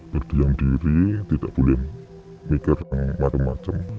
berdiam diri tidak boleh mikir yang macam macam